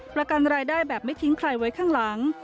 ประกันรายได้แบบไม่ทิ้งใครไว้ข้างหลัง